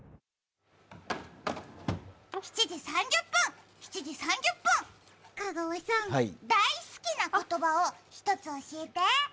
７時３０分、７時３０分、香川さん、大好きな言葉をひとつ教えて！